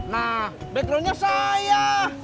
nah backgroundnya saya